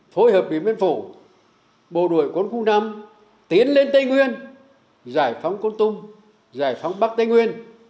kết hợp với miền phủ bộ đội quân khu năm tiến lên tây nguyên giải phóng quân tung giải phóng bắc tây nguyên